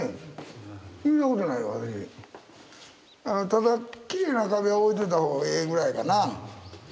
ただきれいな壁は置いといた方がええぐらいかな。